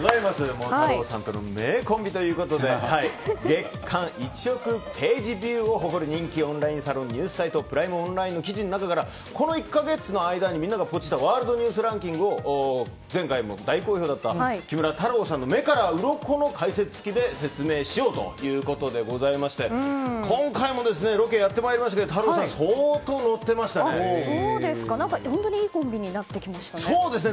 もう、太郎さんとの名コンビということで月間１億ＰＶを誇る人気オンラインニュースサイトプライムオンラインの記事の中からこの１か月の間にみんながポチッたワールドニュースランキングを前回も大好評だった木村太郎さんの目からうろこの解説付きで説明しようということでございまして今回もロケをやってまいりましたが本当にいいコンビにそうですね。